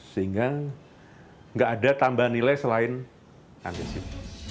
sehingga nggak ada tambahan nilai selain batuan desit